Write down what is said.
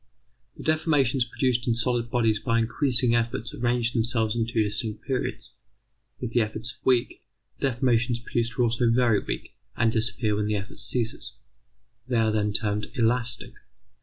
The deformations produced in solid bodies by increasing efforts arrange themselves in two distinct periods. If the efforts are weak, the deformations produced are also very weak and disappear when the effort ceases. They are then termed elastic.